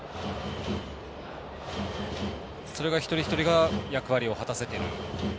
それが一人一人が役割を果たせている？